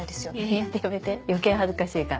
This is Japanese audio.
やめて余計恥ずかしいから。